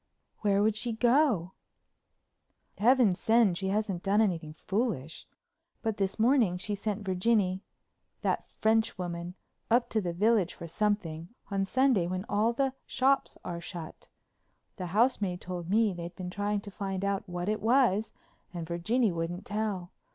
"Where would she go to?" "How do I know? Heaven send she hasn't done anything foolish. But this morning she sent Virginie, that French woman, up to the village for something—on Sunday when all the shops are shut. The housemaid told me they'd been trying to find out what it was and Virginie wouldn't tell.